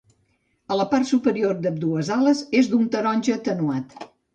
La part superior d'ambdues ales és d'un taronja atenuat.